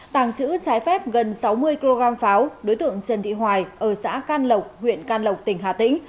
tàng trữ trái phép gần sáu mươi kg pháo đối tượng trần thị hoài ở xã can lộc huyện can lộc tỉnh hà tĩnh